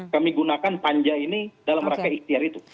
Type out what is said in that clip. kami gunakan panja ini dalam rangka ikhtiar itu